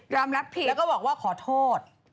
ปัญให้ยอมรับผิดและก็บอกว่าขอโทษ